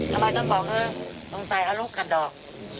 ทำไมต้องบอกเขาสงสัยเอาลูกขัดดอก